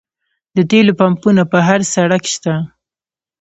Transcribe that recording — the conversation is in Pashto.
د تیلو پمپونه په هر سړک شته